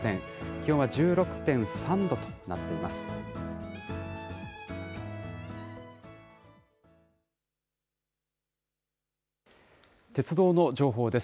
気温は１６．３度となっています。